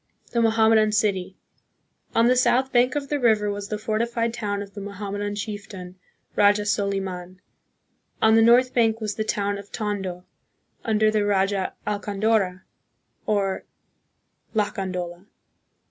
The Mohammedan City. On the south bank of the river was the fortified town of the Mohammedan chief tain, Raja Soliman; on the north bank was the town of Tondo, under the Raja Alcandora, or Lacandola.